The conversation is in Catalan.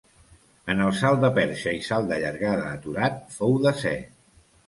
En el salt de perxa i salt de llargada aturat fou desè.